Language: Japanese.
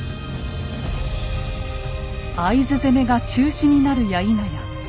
会津攻めが中止になるやいなや